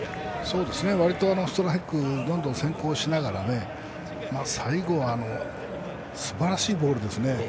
わりとストライクどんどん先攻しながら、最後はすばらしいボールですね。